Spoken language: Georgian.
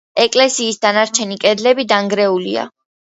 ეკლესიის დანარჩენი კედლები დანგრეულია.